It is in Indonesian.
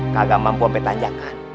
kagak mampu hampir tanjakan